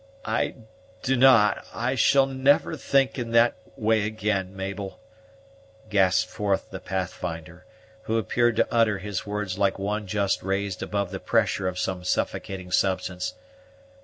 "I do not I shall never think in that way again, Mabel," gasped forth the Pathfinder, who appeared to utter his words like one just raised above the pressure of some suffocating substance.